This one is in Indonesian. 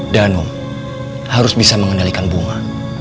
danu harus bisa mengendalikan bunga